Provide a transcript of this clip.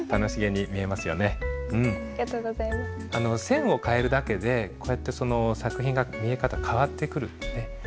線を変えるだけでこうやって作品が見え方が変わってくる。